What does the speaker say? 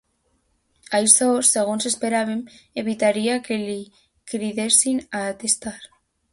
Això, segons esperaven, evitaria que li cridessin a atestar.